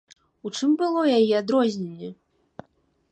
У чым было яе адрозненне?